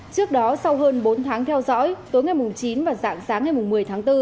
trước đó sau hơn bốn tháng theo dõi tối ngày chín và dạng sáng ngày một mươi tháng bốn